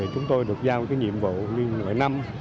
chúng tôi được giao nhiệm vụ nguyên nội năm